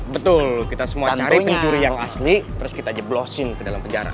betul kita semua cari pencuri yang asli terus kita jeblosin ke dalam penjara